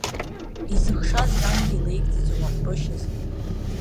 Изыхшаз рангьы илеигӡаӡом, аҟәрышь азы…